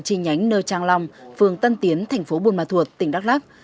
chi nhánh nơ trang long phường tân tiến thành phố buôn ma thuột tỉnh đắk lắc